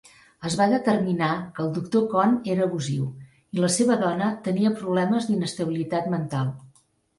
Es va determinar que el doctor Conn era abusiu i la seva dona tenia problemes d'inestabilitat mental.